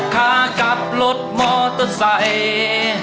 ขากลับรถมอเตอร์ไซค์